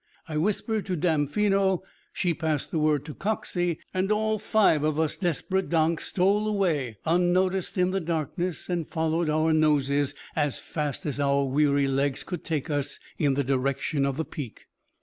I whispered to Damfino, she passed the word to Coxey, and all five of us desperate donks stole away unnoticed in the darkness and followed our noses as fast as our weary legs could take us in the direction of the peak.